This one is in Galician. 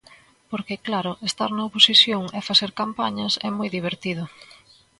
Porque claro, estar na oposición e facer campañas é moi divertido.